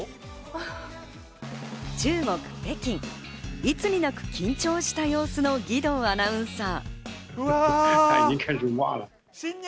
中国・北京、いつになく緊張した様子の義堂アナウンサー。